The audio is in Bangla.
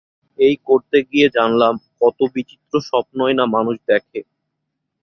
এই করতে গিয়ে জানলাম কত বিচিত্র স্বপ্নই না মানুষ দেখে।